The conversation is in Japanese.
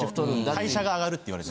代謝が上がるって言われて。